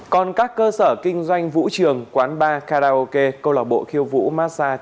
còn các cơ sở kinh doanh vũ trường quán bar karaoke câu lạc bộ khiêu vũ massage